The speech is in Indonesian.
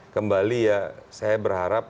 kembali ya saya berharap